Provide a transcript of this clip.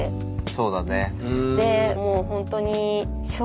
そうだね。